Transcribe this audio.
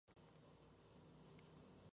La gira incluía presentaciones en Chile.